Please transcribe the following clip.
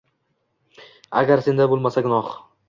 Agar senda bo’lmasa gunoh